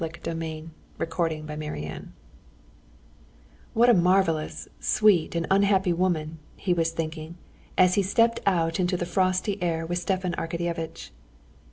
Levin said, blushing. Chapter 11 "What a marvelous, sweet and unhappy woman!" he was thinking, as he stepped out into the frosty air with Stepan Arkadyevitch.